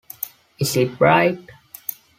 Is it bright?